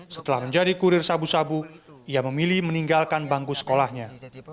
setelah menjadi kurir sabu sabu ia memilih meninggalkan bangku sekolahnya